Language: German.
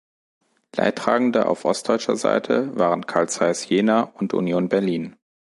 Leidtragende auf ostdeutscher Seite waren Carl Zeiss Jena und Union Berlin.